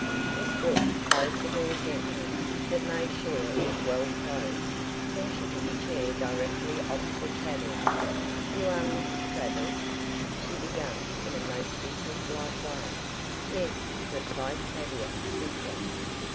Miss Brooks closed the door gently, but made sure it was well closed. Then she took a chair directly opposite Tavia. "You are Miss Travers," she began in a most business like way. "Yes," replied Tavia simply.